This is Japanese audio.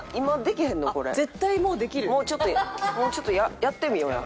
もうちょっともうちょっとやってみようや。